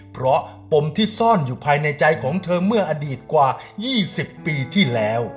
เพราะปมที่ซ่อนอยู่ภายในใจของเธอเมื่ออดีตกว่า๒๐ปีที่แล้ว